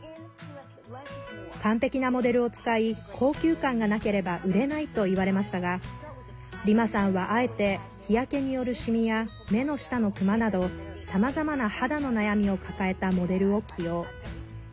完璧なモデルを使い高級感がなければ売れないと言われましたがリマさんはあえて日焼けによるシミや目の下のクマなど、さまざまな肌の悩みを抱えたモデルを起用。